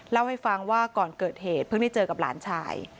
เล่าให้ฟังว่าก่อนเกิดเหตุเพิ่งได้เจอกับหลานชาย